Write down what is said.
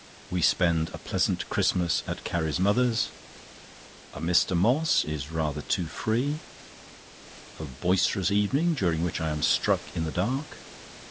We spend a pleasant Christmas at Carrie's mother's. A Mr. Moss is rather too free. A boisterous evening, during which I am struck in the dark.